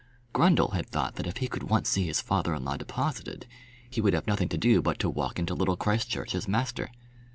Grundle had thought that if he could once see his father in law deposited, he would have nothing to do but to walk into Little Christchurch as master.